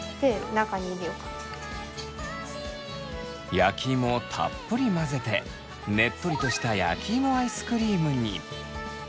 焼きいもをたっぷり混ぜてねっとりとした焼きいもアイスクリームに。